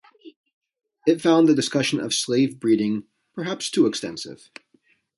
It found the discussion of slave breeding "perhaps too extensive".